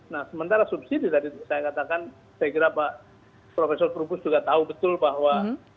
nah sementara subsidi tadi saya katakan saya kira pak profesor trubus juga tahu betul bahwa